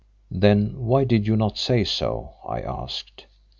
"Then why did you not say so?" I asked.